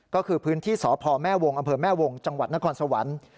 ก็คือพื้นที่สพแม่วงอำเภอแม่วงจังหวัดนครสวรรค์